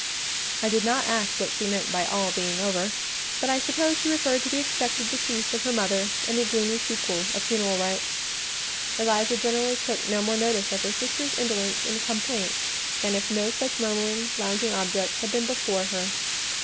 I did not ask what she meant by "all being over," but I suppose she referred to the expected decease of her mother and the gloomy sequel of funeral rites. Eliza generally took no more notice of her sister's indolence and complaints than if no such murmuring, lounging object had been before her.